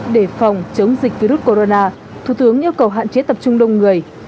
để phòng chống dịch virus corona thủ tướng yêu cầu hạn chế tập trung đông người